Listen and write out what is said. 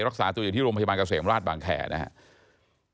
รักษาตัวอยู่ที่โรงพยาบาลเกษมราชบางแคร์นะครับ